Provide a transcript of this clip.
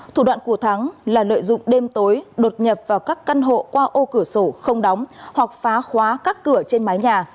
thủ đoạn của thắng là lợi dụng đêm tối đột nhập vào các căn hộ qua ô cửa sổ không đóng hoặc phá khóa các cửa trên mái nhà